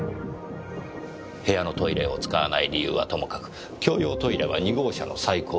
部屋のトイレを使わない理由はともかく共用トイレは２号車の最後尾。